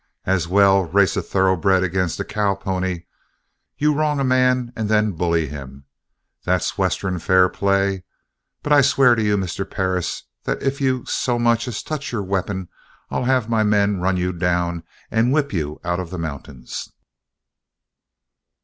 As well race a thoroughbred against a cowpony! You wrong a man and then bully him. That's Western fair play! But I swear to you, Mr. Perris, that if you so much as touch your weapon I'll have my men run you down and whip you out of the mountains!"